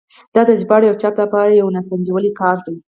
دا د ژباړې او چاپ لپاره یو ناسنجولی کار دی.